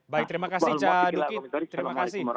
baik terima kasih cah duki